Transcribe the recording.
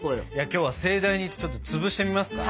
今日は盛大にちょっとつぶしてみますか。